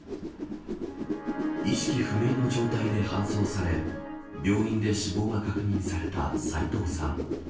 意識不明の状態で搬送され病院で死亡が確認された斎藤さん。